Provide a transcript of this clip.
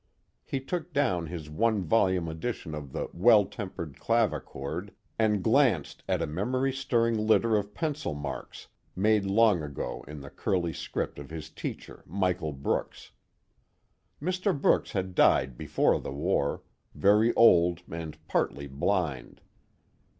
He took down his one volume edition of the Well Tempered Clavichord and glanced at a memory stirring litter of pencil marks made long ago in the curly script of his teacher Michael Brooks. Mr. Brooks had died before the war, very old and partly blind.